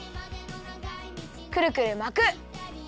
くるくるまく！